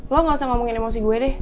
lo gak usah ngomongin emosi gue deh